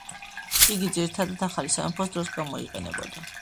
იგი ძირითადად ახალი სამეფოს დროს გამოიყენებოდა.